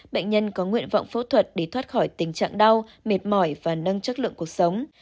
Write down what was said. bệnh nhân có nguyện vọng phẫu thuật để thoát khỏi tình trạng đau mệt mỏi và nâng chất lượng cuộc sống